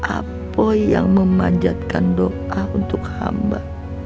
apa yang memanjatkan doa untuk hamba